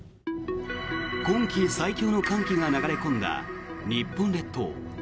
今季最強の寒気が流れ込んだ日本列島。